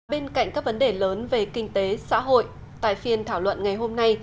bên cạnh các vấn đề lớn về kinh tế xã hội tại phiên thảo luận ngày hôm nay